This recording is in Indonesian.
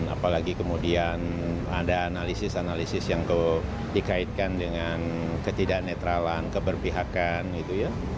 apalagi kemudian ada analisis analisis yang dikaitkan dengan ketidaknetralan keberpihakan itu ya